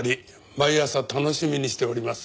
毎朝楽しみにしております。